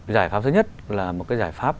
giải pháp thứ nhất là một cái giải pháp